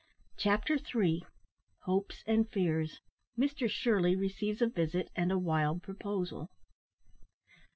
CHAPTER THREE. HOPES AND FEARS MR. SHIRLEY RECEIVES A VISIT AND A WILD PROPOSAL.